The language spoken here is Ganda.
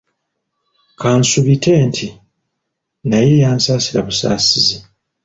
Ka nsuubite nti naye yansaasira busaasizi.